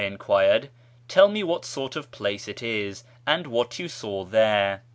I enquired ;" tell me what sort of place it is, and wliat you saw there."